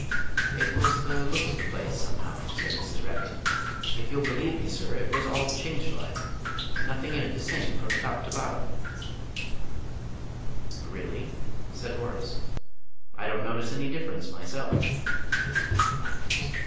"It was the look of the place, somehow," said Mrs. Rapkin. "If you'll believe me, sir, it was all changed like nothing in it the same from top to bottom!" "Really?" said Horace. "I don't notice any difference myself."